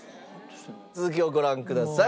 続きをご覧ください！